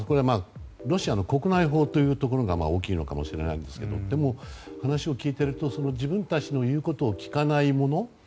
ロシアの国内法というところが大きいのかもしれないですけどでも、話を聞いていると自分たちの言うことを聞かないもの